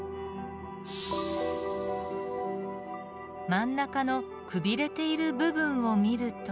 真ん中のくびれている部分を見ると。